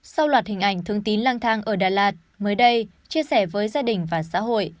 sau loạt hình ảnh thương tín lang thang ở đà lạt mới đây chia sẻ với gia đình và xã hội